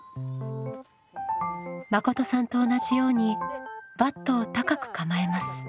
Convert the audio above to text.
まことさんと同じようにバットを高く構えます。